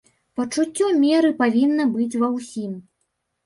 Пачуццё меры павінна быць ва ўсім.